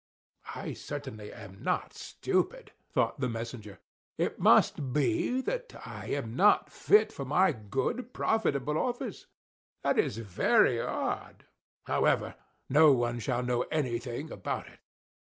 "I certainly am not stupid!" thought the messenger. "It must be, that I am not fit for my good, profitable office! That is very odd; however, no one shall know anything about it."